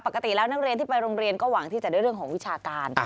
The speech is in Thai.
ปกติแล้วนักเรียนที่ไปโรงเรียนก็หวังที่จะได้เรื่องของวิชาการ